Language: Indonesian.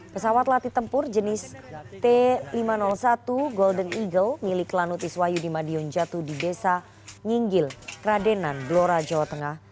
pesawat latih tempur jenis t lima ratus satu golden eagle milik lanutis wahyu di madiun jatuh di desa nyinggil kradenan blora jawa tengah